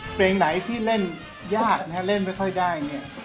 เพลงไหนที่เล่นยากเล่นไม่ค่อยได้